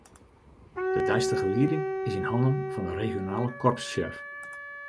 De deistige lieding is yn hannen fan de regionale korpssjef.